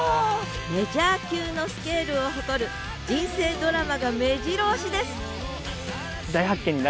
メジャー級のスケールを誇る人生ドラマがめじろ押しです！